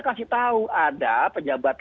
kasih tahu ada pejabat